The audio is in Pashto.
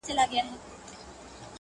توره مي تر خپلو گوتو وزي خو